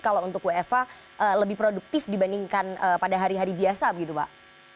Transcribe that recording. kalau untuk wfh lebih produktif dibandingkan pada hari hari biasa begitu pak